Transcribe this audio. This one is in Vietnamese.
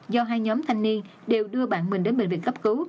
do hai nhóm thanh niên đều đưa bạn mình đến bệnh viện cấp cứu